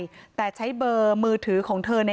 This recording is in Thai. พี่สาวบอกว่าไม่ได้ไปกดยกเลิกรับสิทธิ์นี้ทำไม